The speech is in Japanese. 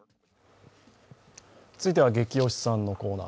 続いては「ゲキ推しさん」のコーナー。